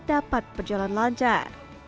dapat berjalan lancar